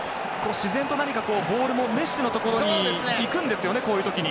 自然と何か、ボールもメッシのところにいくんですよね、こういう時に。